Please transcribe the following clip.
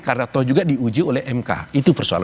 karena toh juga diuji oleh mk itu persoalan